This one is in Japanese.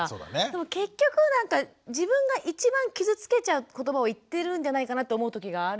でも結局なんか自分が一番傷つけちゃう言葉を言ってるんじゃないかなって思う時があるんですよね。